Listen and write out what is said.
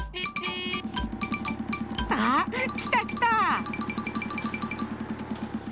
あきたきた！